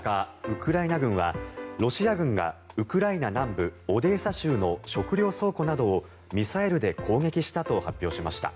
ウクライナ軍はロシア軍がウクライナ南部オデーサ州の食糧倉庫などをミサイルで攻撃したと発表しました。